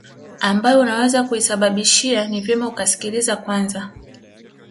ambayo unaweza kuisababisha ni vyema ukasikiliza Kwanza